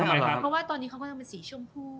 เพราะว่าตอนนี้เขาก็ยังเป็นสีชมพู